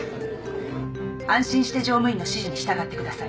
安心して乗務員の指示に従ってください。